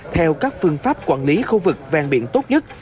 theo các phương pháp quản lý khu vực ven biển tốt nhất